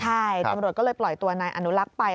ใช่ตำรวจก็เลยปล่อยตัวนายอนุลักษ์ไป